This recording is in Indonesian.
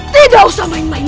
tidak usah main main